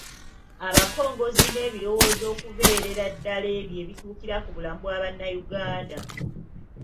Abakongozzi n’ebirowoozo okubeerera ddala ebyo ebituukira ku bulamu bwa Bannayuganda